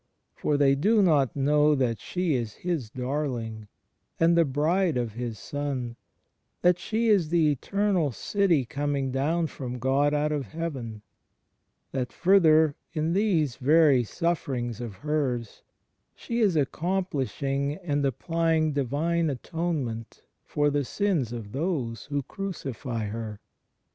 For they do not know that she is His Darling, and the Bride of His Son; that she is the Eternal City coming down from God out of heaven; that, further, in these very sufferings of hers, she is accomplishing and applying Divine Atonement for the sms of those who crucify her.